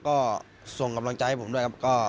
ก็ส่งกำลังใจให้ผมด้วยครับ